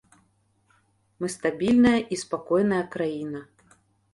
Мы стабільная і спакойная краіна.